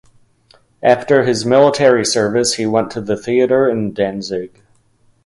After his military service he went to the theatre in Danzig.